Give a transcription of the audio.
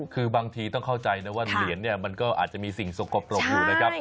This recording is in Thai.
คือบางทีต้องเข้าใจนะว่าเหรียญเนี่ยมันก็อาจจะมีสิ่งสกปรกอยู่นะครับ